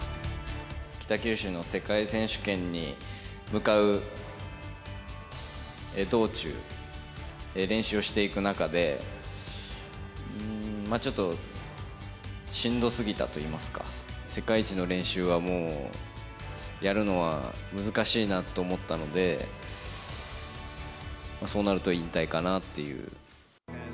北九州の世界選手権に向かう道中、練習をしていく中で、ちょっとしんどすぎたといいますか、世界一の練習はもう、やるのが難しいなと思ったので、そうなると引退かなっていう。